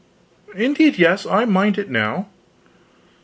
"Indeed, yes, I mind it now."